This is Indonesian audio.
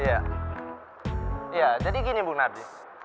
iya jadi gini bung nadi